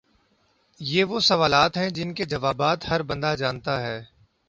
یہ وہ سوالات ہیں جن کے جوابات ہر بندہ جانتا ہے